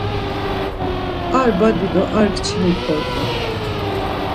Ar badi do ar kçini kort̆u.